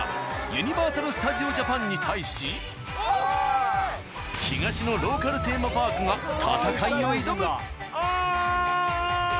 ユニバーサル・スタジオ・ジャパンに対し東のローカルテーマパークが戦いを挑む。